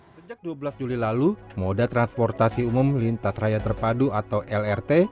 sejak dua belas juli lalu moda transportasi umum lintas raya terpadu atau lrt